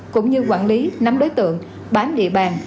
cũng như quản lý nắm đối tượng bám địa bàn